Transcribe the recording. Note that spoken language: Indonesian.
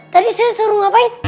tadi saya suruh ngapain